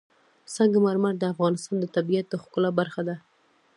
سنگ مرمر د افغانستان د طبیعت د ښکلا برخه ده.